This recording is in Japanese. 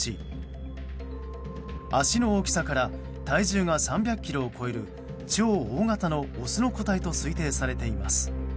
足の大きさから体重が３００ｋｇを超える超大型のオスの個体と推定されています。